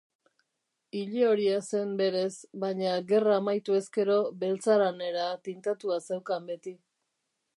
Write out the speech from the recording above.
Ilehoria zen berez, baina gerra amaitu ezkero beltzaranera tintatua zeukan beti.